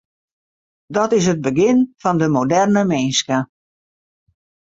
Dat is it begjin fan de moderne minske.